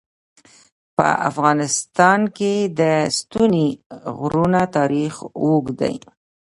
په افغانستان کې د ستوني غرونه تاریخ اوږد دی.